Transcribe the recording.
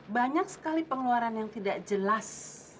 banyak sekali pengeluaran yang tidak jelas